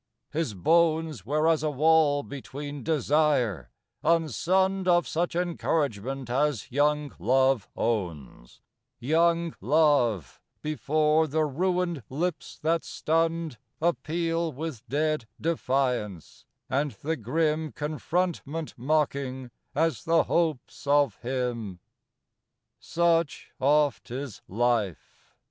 His bones Were as a wall between desire unsunned Of such encouragement as young Love owns; Young Love, before the ruined lips that stunned Appeal with dead defiance, and the grim Confrontment mocking as the hopes of him. Such oft is Life!